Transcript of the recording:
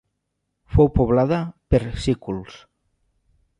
Fou poblada per sículs.